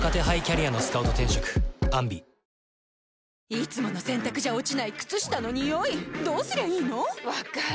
いつもの洗たくじゃ落ちない靴下のニオイどうすりゃいいの⁉分かる。